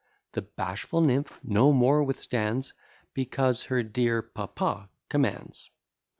The bashful nymph no more withstands, Because her dear papa commands.